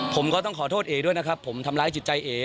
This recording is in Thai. ผมก็ต้องขอโทษเอด้วยนะครับผมทำร้ายจิตใจเอ๋